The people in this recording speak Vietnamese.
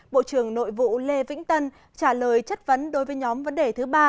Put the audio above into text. bộ trưởng nội vụ lê vĩnh tân trả lời chất vấn đối với nhóm vấn đề thứ ba